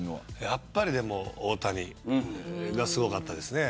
やっぱり大谷がすごかったです。